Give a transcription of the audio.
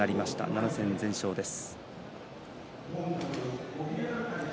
７戦全勝です。